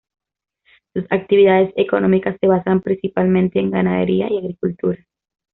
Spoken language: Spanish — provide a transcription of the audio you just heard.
Sus actividades económicas se basan principalmente en ganadería y agricultura.